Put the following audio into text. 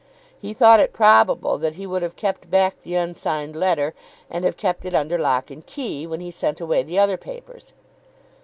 He thought it probable that he would have kept back the unsigned letter, and have kept it under lock and key, when he sent away the other papers.